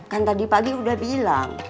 kan tadi pagi udah bilang